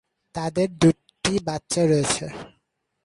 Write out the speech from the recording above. তাদের দুটি বাচ্চা রয়েছে।